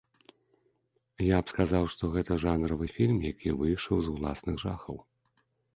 Я б сказаў, што гэта жанравы фільм, які выйшаў з уласных жахаў.